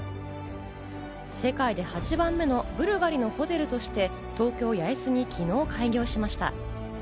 世界で８番目のブルガリのホテルとして、東京・八重洲に昨日、開業しました。